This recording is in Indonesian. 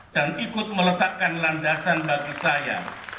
dan ikut meletakkan landasan bagi saya